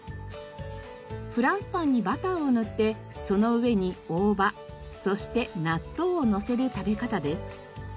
フランスパンにバターを塗ってその上に大葉そして納豆をのせる食べ方です。